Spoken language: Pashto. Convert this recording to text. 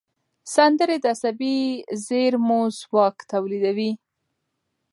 سندرې د عصبي زېرمو ځواک زیاتوي.